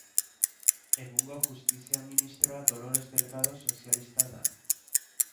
Egungo Justizia Ministroa Dolores Delgado sozialista da.